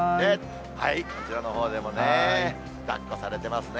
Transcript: こちらのほうでもね、だっこされてますね。